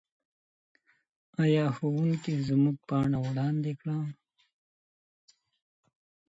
ایا ښوونکي زموږ پاڼه وړاندي کړه؟